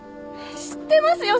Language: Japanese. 知ってますよ